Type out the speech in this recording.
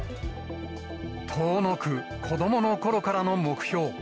遠のく子どものころからの目標。